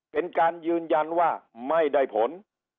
เป็นการยืนยันว่าไม่ได้ผล